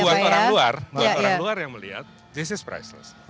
buat orang luar yang melihat this is priceless